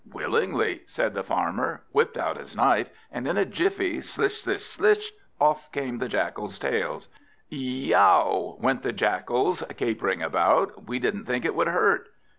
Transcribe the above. "Willingly," said the Farmer; whipt out his knife, and in a jiffy slish! slish! slish! off came the Jackals' tails. "Yow ow ow!" went the Jackals, capering about, "we didn't think it would hurt!"